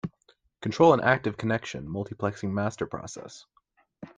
Control an active connection multiplexing master process.